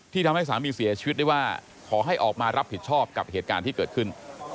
ทำให้สามีเสียชีวิตได้ว่าขอให้ออกมารับผิดชอบกับเหตุการณ์ที่เกิดขึ้น